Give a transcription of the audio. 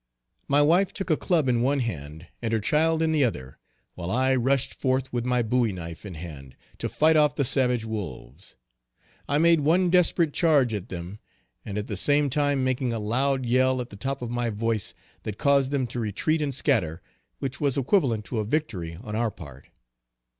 My wife took a club in one hand, and her child in the other, while I rushed forth with my bowie knife in hand, to fight off the savage wolves. I made one desperate charge at them, and at the same time making a loud yell at the top of my voice, that caused them to retreat and scatter, which was equivalent to a victory on our part.